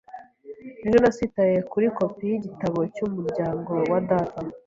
Ejo nasitaye kuri kopi yigitabo cyumuryango wa data.